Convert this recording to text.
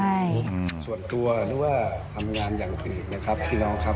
ส่วนตัวนึกว่าทำงานอย่างผิดนะครับพี่น้องครับ